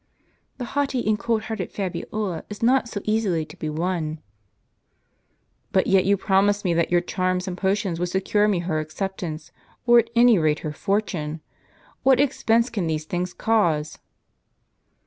"The haughty and cold hearted Fabiola is not so easily to be won.'' "But yet you promised me that your charms and potions would secure me her acceptance, or at any rate her fortune. What expense can these things cause?"